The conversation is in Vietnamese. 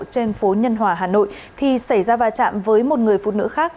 trên phố nhân hòa hà nội thì xảy ra va chạm với một người phụ nữ khác